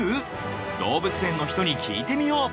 動物園の人に聞いてみよう！